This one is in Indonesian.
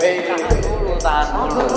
wey tangan dulu tahan dulu